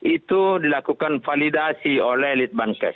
itu dilakukan validasi oleh litbangkes